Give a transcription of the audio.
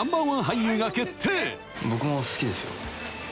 僕も好きですよ。